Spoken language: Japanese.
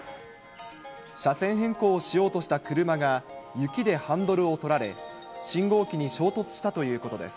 車線変更をしようとした車が、雪でハンドルを取られ、信号機に衝突したということです。